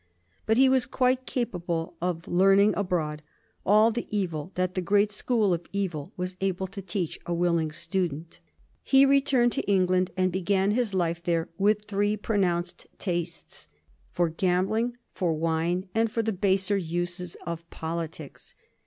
But he was quite capable of learning abroad all the evil that the great school of evil was able to teach a willing student. He returned to England, and began his life there with three pronounced tastes: for gambling, for wine, and for the baser uses of politics.